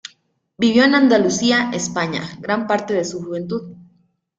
Vivió en Andalucía, España, gran parte de su juventud.